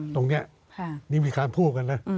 ตรงเนี่ยคอยพูดกันครับ